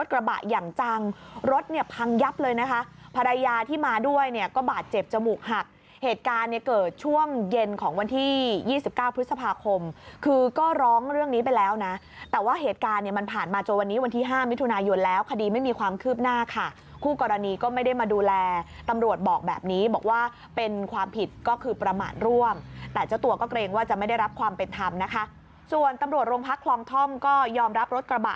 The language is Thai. ที่๒๙พฤษภาคมคือก็ร้องเรื่องนี้ไปแล้วนะแต่ว่าเหตุการณ์มันผ่านมาจนวันนี้วันที่๕มิถุนายนอยู่แล้วคดีไม่มีความคืบหน้าค่ะคู่กรณีก็ไม่ได้มาดูแลตำรวจบอกแบบนี้บอกว่าเป็นความผิดก็คือประมาณร่วมแต่เจ้าตัวก็เกรงว่าจะไม่ได้รับความเป็นธรรมนะคะส่วนตำรวจรงพักคลองท่อมก็ยอมรับรถกระบะ